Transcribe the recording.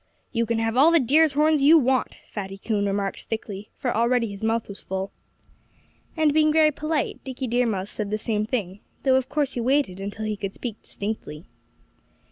"You can have all the deer's horns you want," Fatty Coon remarked thickly for already his mouth was full. And being very polite, Dickie Deer Mouse said the same thing; though of course he waited until he could speak distinctly.